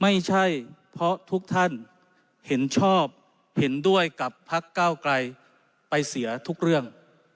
ไม่ใช่เพราะทุกท่านเห็นชอบเห็นด้วยกับพักเก้าไกลไปเสียทุกเรื่อง